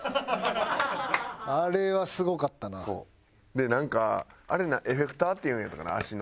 でなんかあれエフェクターっていうんやったかな足の。